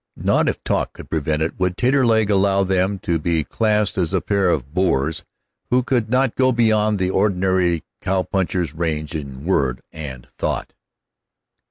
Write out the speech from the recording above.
Not if talk could prevent it would Taterleg allow them to be classed as a pair of boors who could not go beyond the ordinary cow puncher's range in word and thought.